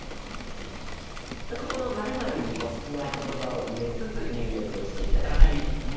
ここの「○○」にお好きな言葉を埋めつつ入力をして頂きたいと思います。